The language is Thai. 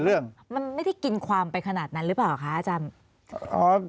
เรื่องมันไม่ได้กินความไปขนาดนั้นหรือเปล่าคะอาจารย์